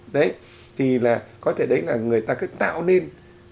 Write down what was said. đấy thì là có thể đấy là người ta cứ tạo nên